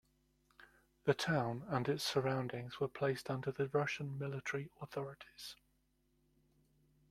The town and its surroundings were placed under the Russian military authorities.